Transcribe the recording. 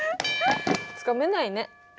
つかめないね。